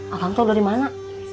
akang tuh udah dimana